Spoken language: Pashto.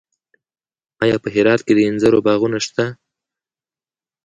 آیا په هرات کې د انځرو باغونه شته؟